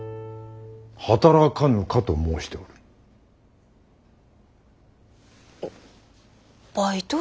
働かぬかと申しておる。